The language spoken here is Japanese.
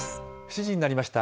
７時になりました。